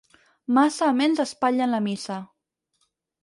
Massa amens espatllen la missa.